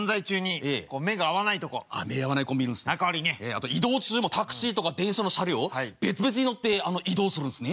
あと移動中もタクシーとか電車の車両別々に乗って移動するんですね。